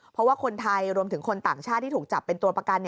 เพราะว่าคนไทยรวมถึงคนต่างชาติที่ถูกจับเป็นตัวประกัน